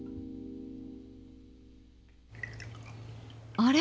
あれ？